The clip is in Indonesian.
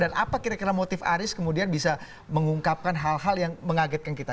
dan apa kira kira motif aris kemudian bisa mengungkapkan hal hal yang mengagetkan kita